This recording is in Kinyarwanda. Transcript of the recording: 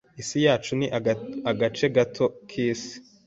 Isi yacu ni agace gato k'isi.